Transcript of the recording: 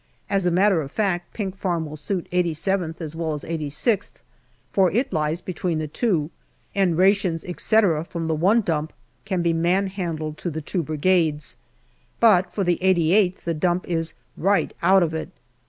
As a matter of fact, Pink Farm will suit 87th as well as 86th, for it lies between the two, and rations, etc., from the one dump can be man handled to the two Brigades. But for the 88th, the dump is right out of it.